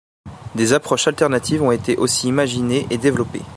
Des approches alternatives ont été aussi imaginées et développées.